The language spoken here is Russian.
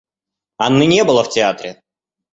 Анны не было в театре.